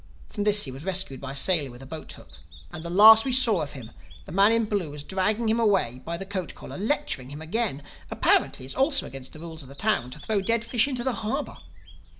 From this he was rescued by a sailor with a boat hook; and the last we saw of him, the man in blue was dragging him away by the coat collar, lecturing him again. Apparently it was also against the rules of the town to throw dead fish into the harbor.